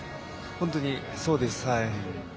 本当にそうですね。